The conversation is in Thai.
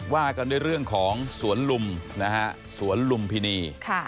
ว่ากันด้วยเรื่องของสวนลุมนะฮะสวนลุมพินี